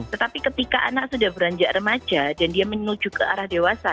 tetapi ketika anak sudah beranjak remaja dan dia menuju ke arah dewasa